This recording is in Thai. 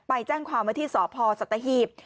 ไปแจ้งความว่าที่สพสัตหีบ